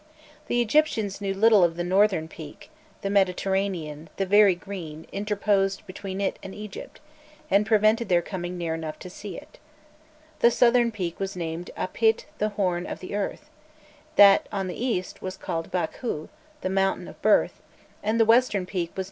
The Egyptians knew little of the northern peak: the Mediterranean, the "Very Green," interposed between it and Egypt, and prevented their coming near enough to see it. The southern peak was named Apit the Horn of the Earth; that on the east was called Bâkhû, the Mountain of Birth; and the western peak was known as Manu, sometimes as Onkhit, the Region of Life.